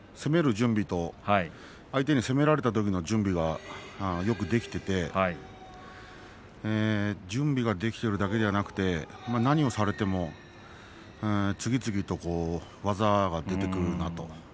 準備と相手に攻められたときの準備がよくできていて準備ができているだけではなくて何をされても次々と技が出てくるなと。